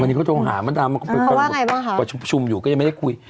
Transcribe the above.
วันนี้เขาโทรหามดดำมันก็ไปประชุมอยู่ก็ยังไม่ได้คุย